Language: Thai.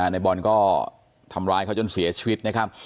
ในบอลก็ทำร้ายเขาจนเสียชีวิตนะครับ